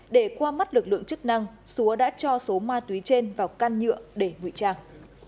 để qua mắt lực lượng chức năng xúa đã cho số ma túy trên vào can nhựa để ngụy trang